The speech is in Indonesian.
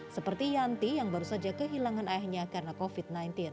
seperti yanti yang baru saja kehilangan ayahnya karena covid sembilan belas